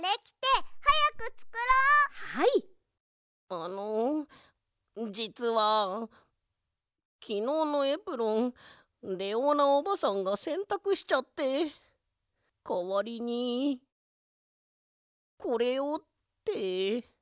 あのじつはきのうのエプロンレオーナおばさんがせんたくしちゃってかわりにこれをって。